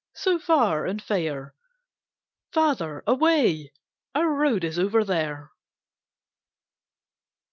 So far and fair. Father, away! Our road is over there!